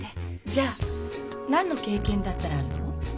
じゃあ何の経験だったらあるの？